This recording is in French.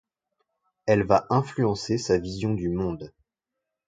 Elle va influencer sa vision du monde.